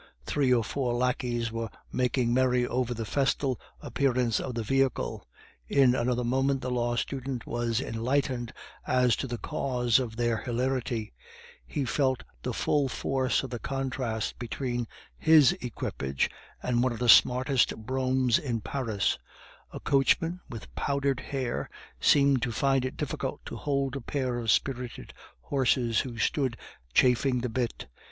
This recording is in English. Three or four lackeys were making merry over the festal appearance of the vehicle. In another moment the law student was enlightened as to the cause of their hilarity; he felt the full force of the contrast between his equipage and one of the smartest broughams in Paris; a coachman, with powdered hair, seemed to find it difficult to hold a pair of spirited horses, who stood chafing the bit.